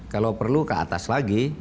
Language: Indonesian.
kalau perlu ke atas lagi